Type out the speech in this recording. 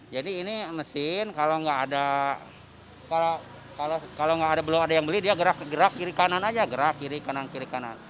jadi ini mesin kalau belum ada yang beli dia gerak gerak kiri kanan saja